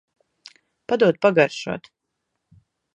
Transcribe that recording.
Padod pagaršot.